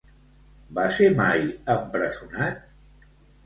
Va ser mai empresonat?